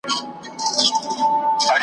¬ د کم بخته، غول بې وخته.